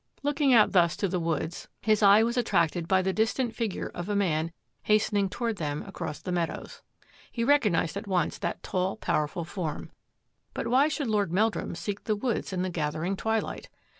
Looking out thus to the woods, his eye was attracted by the distant figure of a man hastening toward them across the meadows. He recognised at once that tall, powerful form. But why should Lord Meldrum seek the woods in the gathering twilight?